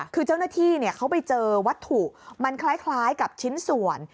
คือเจ้าหน้าที่เขาไปเจอวัตถุมันคล้ายกับชิ้นส่วน